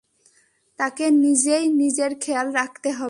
তাকে নিজেই নিজের খেয়াল রাখতে হবে।